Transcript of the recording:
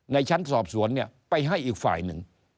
ในชั้นสอบสวนเนี่ยไปให้อีกฝ่ายหนึ่ง